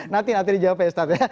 nanti nanti dijawab ya ustadz ya